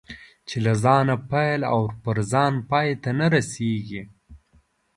چې له ځانه پیل او پر ځان پای ته نه رسېږي.